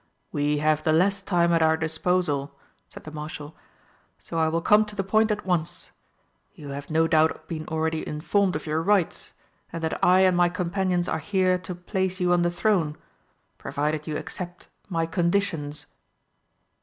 "We have the less time at our disposal," said the Marshal, "so I will come to the point at once. You have no doubt been already informed of your rights, and that I and my companions are here to place you on the throne, provided you accept my conditions?"